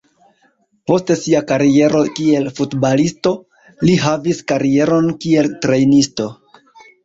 Post sia kariero kiel futbalisto, li havis karieron kiel trejnisto.